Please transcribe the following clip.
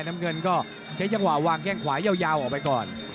น้ำเงินก็ใช้จังหวะวางแข้งขวายาวออกไปก่อน